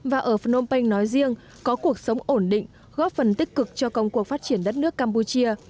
và ở phnom penh nói riêng có cuộc sống ổn định góp phần tích cực cho công cuộc phát triển đất nước campuchia